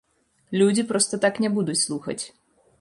Людзі проста так не будуць слухаць.